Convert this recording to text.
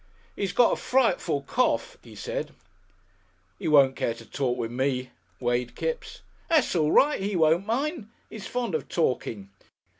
"He's got a frightful cough," he said. "He won't care to talk with me," weighed Kipps. "That's all right; he won't mind. He's fond of talking.